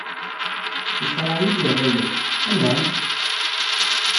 Isṛayil irra-yas: Anɛam!